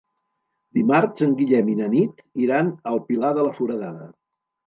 Dimarts en Guillem i na Nit iran al Pilar de la Foradada.